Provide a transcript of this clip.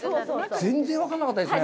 全然分かんなかったですね。